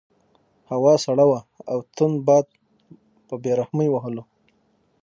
هوا سړه وه او تند باد په بې رحمۍ وهلو.